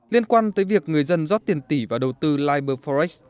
liên quan tới việc người dân rót tiền tỷ và đầu tư liberforest